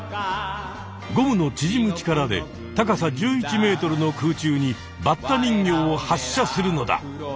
ゴムの縮む力で高さ１１ｍの空中にバッタ人形を発射するのだ！